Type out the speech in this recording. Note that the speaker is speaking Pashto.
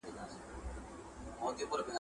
په خپل ژوند کي یې بوره نه وه څکلې ,